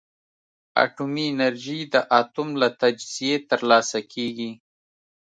اټومي انرژي د اتوم له تجزیې ترلاسه کېږي.